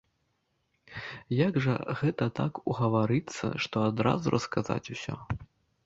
Як жа гэта так угаварыцца, што адразу расказаць усё!